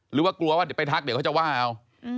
หรือว่ากลัวว่าเดี๋ยวไปทักเดี๋ยวเขาจะว่าเอา